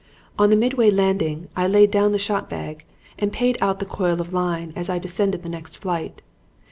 On the mid way landing I laid down the shot bag and paid out the coil of line as I descended the next flight.